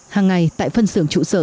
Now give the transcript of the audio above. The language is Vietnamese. hàng ngày tại phân xưởng trụ sở